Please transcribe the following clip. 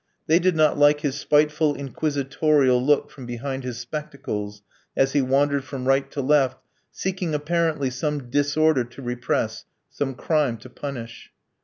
They did not like his spiteful, inquisitorial look from behind his spectacles as he wandered from right to left, seeking apparently some disorder to repress, some crime to punish.